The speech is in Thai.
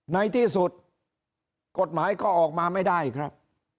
ในที่สุดกฎหมายก็ออกมาไม่ได้ครับ